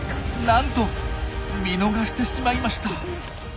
なんと見逃してしまいました。